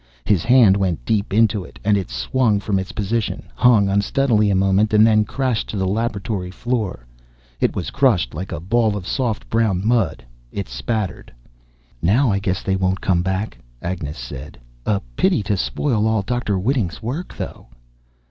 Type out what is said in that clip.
His hand went deep into it. And it swung from its position, hung unsteadily a moment, and then crashed to the laboratory floor. It was crushed like a ball of soft brown mud. It spattered. "Now I guess they won't come back," Agnes said. "A pity to spoil all Dr. Whiting's work, though."